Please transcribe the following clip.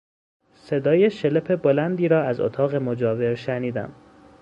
صدای شلپ بلندی را از اتاق مجاور شنیدم.